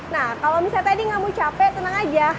nah kalau misalnya tadi kamu capek tenang aja